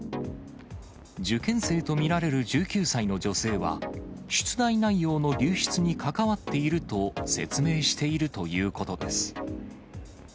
受験生と見られる１９歳の女性は、出題内容の流出に関わっていると説明しているということです。